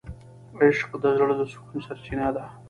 عشق د زړه د سکون سرچینه ده.